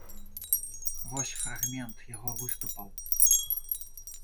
Вось фрагмент яго выступаў.